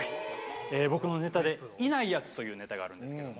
僕のネタでいないやつというネタがあるんですけれども。